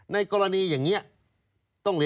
ในกรณีอย่างนี้